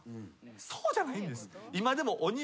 そうじゃないんです。